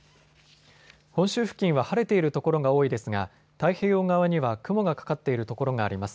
本州付近は晴れている所が多いですが太平洋側には雲がかかっている所があります。